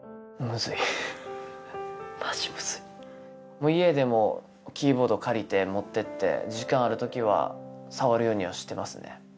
もう家でもキーボード借りて持ってって時間ある時は触るようにはしてますね